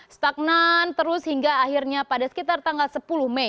stagnan terus hingga akhirnya pada sekitar tanggal sepuluh mei